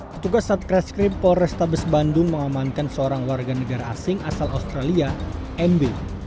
petugas satreskrim polrestabes bandung mengamankan seorang warga negara asing asal australia mb